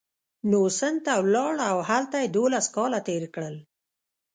نو سند ته ولاړ او هلته یې دوولس کاله تېر کړل.